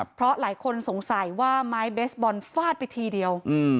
เพราะหลายคนสงสัยว่าไม้เบสบอลฟาดไปทีเดียว